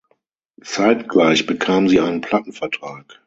Zeitgleich bekam sie einen Plattenvertrag.